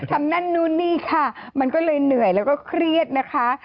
นั่นนู่นนี่ค่ะมันก็เลยเหนื่อยแล้วก็เครียดนะคะ